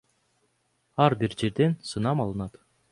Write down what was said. Ар бир жерден сынам алынат.